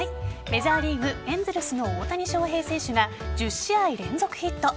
メジャーリーグエンゼルスの大谷翔平選手が１０試合連続ヒット。